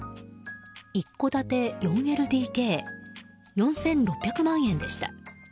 一戸建て４ＬＤＫ４６００万円でした。